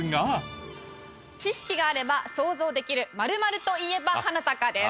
知識があれば想像できる「○○といえばハナタカ」です。